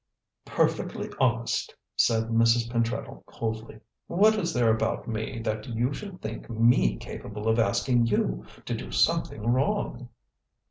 "Perfectly honest," said Mrs. Pentreddle coldly. "What is there about me that you should think me capable of asking you to do something wrong?"